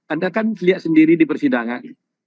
anda kan lihat sendiri di persidangan